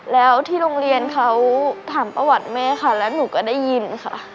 แล้วที่โรงเรียนเขาถามประวัติแม่ค่ะแล้วหนูก็ได้ยินค่ะ